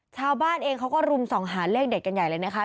ชาวบ้านเองเขาก็รุมส่องหาเลขเด็ดกันใหญ่เลยนะคะ